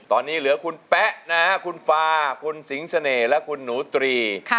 ตอนนี้เหลือคุณแป๊ะนะคุณฟาคุณสิงเสน่ห์และคุณหนูตรี